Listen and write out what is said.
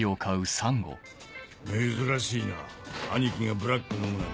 珍しいなアニキがブラック飲むなんて。